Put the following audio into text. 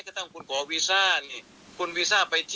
ประการที่๒แม้ต้องกอวีซ่า